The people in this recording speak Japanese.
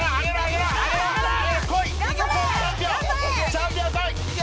チャンピオン来い！